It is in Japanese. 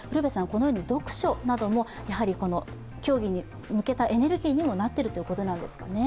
このように読書なども競技に向けたエネルギーになっているんですね。